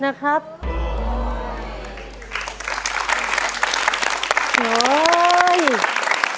หนึ่งแสนบาทได้หรือไม่ไปลุ้นเงินล้านบ้างผิดนะครับ